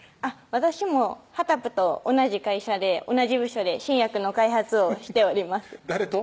私もはたぷと同じ会社で同じ部署で新薬の開発をしております誰と？